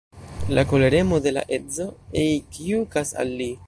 La koleremo de la edzo ekjukas al li.